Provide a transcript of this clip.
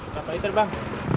berapa liter bang